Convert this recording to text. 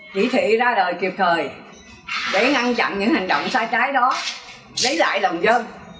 chỉ thị ra đời kịp thời để ngăn chặn những hành động sai trái đó lấy lại lòng dân